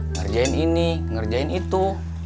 ngerjain ini ngerjain itu